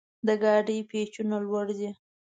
د ګاډي پېچونه لوړ دي.